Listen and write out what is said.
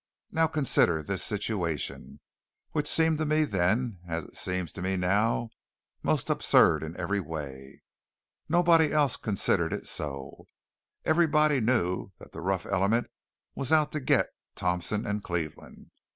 Now consider this situation, which seemed to me then as it seems to me now, most absurd in every way. Nobody else considered it so. Everybody knew that the rough element was out to "get" Thompson and Cleveland.